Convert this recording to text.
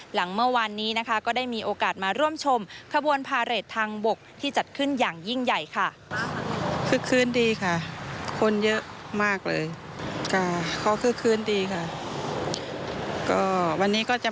หลังเมื่อวานนี้นะคะก็ได้มีโอกาสมาร่วมชมขบวนพาเรททางบกที่จัดขึ้นอย่างยิ่งใหญ่ค่ะ